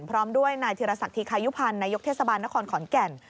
พร้อมด้วยนายธิรษักธิคายุพันธ์นายกเทศบาลนครขอนแก่น